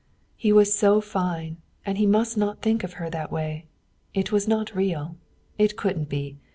He was so fine, and he must not think of her that way. It was not real. It couldn't be.